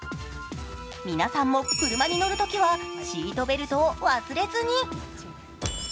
皆さんも、車に乗るときはシートベルトを忘れずに。